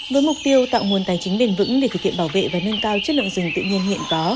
với mục tiêu tạo nguồn tài chính bền vững để thực hiện bảo vệ và nâng cao chất lượng rừng tự nhiên hiện có